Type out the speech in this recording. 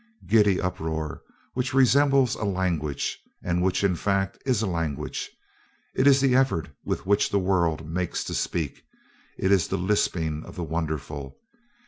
Giddy uproar which resembles a language, and which, in fact, is a language. It is the effort which the world makes to speak. It is the lisping of the wonderful.